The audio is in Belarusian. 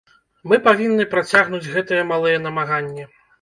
Мы павінны працягнуць гэтыя малыя намаганні.